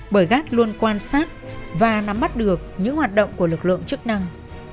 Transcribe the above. bởi gác luôn quan sát và nắm mắt được những hoạt động của lực lượng chức năng